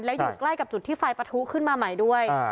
แล้วอยู่ใกล้กับจุดที่ไฟปะทุขึ้นมาใหม่ด้วย